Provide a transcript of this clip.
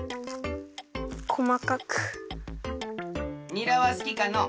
にらはすきかのう？